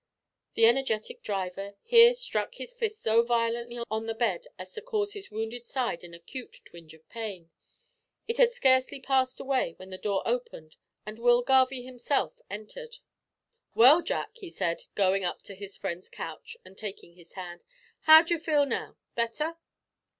The energetic driver here struck his fist so violently on the bed as to cause his wounded side an acute twinge of pain. It had scarcely passed away when the door opened and Will Garvie himself entered. "Well, Jack," he said, going up to his friend's couch and taking his hand, "how d'you feel now better?"